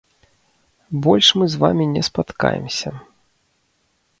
Больш мы з вамі не спаткаемся.